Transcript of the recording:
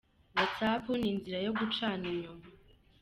Whatsapp ni inzira yo gucana inyuma.